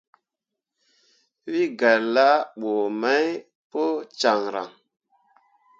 Wǝ gah laaɓu mai pu caŋryaŋ.